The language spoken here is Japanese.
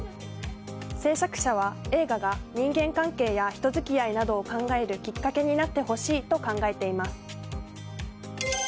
制作者は、映画が人間関係や人付き合いなどを考えるきっかけになってほしいと考えています。